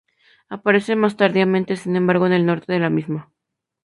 Aparece más tardíamente, sin embargo, en el norte de la misma.